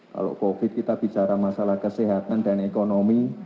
kalau covid kita bicara masalah kesehatan dan ekonomi